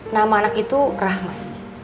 nama anak itu rahman